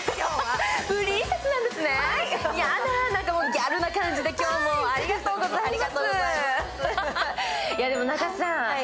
ギャルな感じで今日もありがとうございます。